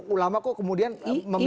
ulama kok kemudian meminat segala macam